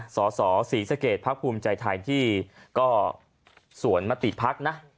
สอสสสีสเกรษภพภูมิใจไทนที่ก็สวนมาติดพักนะ